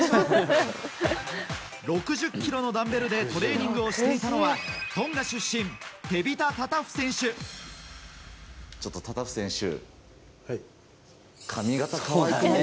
６０ｋｇのダンベルでトレーニングをしていたのはトンガ出身テビタ・タタフ選手。